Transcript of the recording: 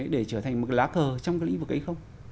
để trở thành một lá cờ trong cái lĩnh vực ấy không